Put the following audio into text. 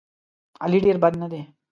علي ډېر بد نه دی.